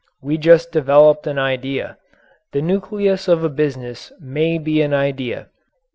We just developed an idea. The nucleus of a business may be an idea.